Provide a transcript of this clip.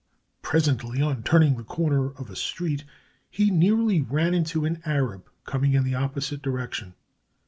Presently, on turning the corner of a street, he nearly ran into an Arab coming in the opposite direction.